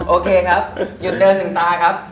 โอเคครับหยุดเดิน๑ตาครับ